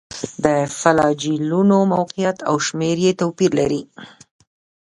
د فلاجیلونو موقعیت او شمېر یې توپیر لري.